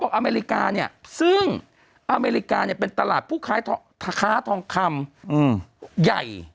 อเมริกาเนี่ยซึ่งอเมริกาเนี่ยเป็นตลาดผู้ค้าทองคำใหญ่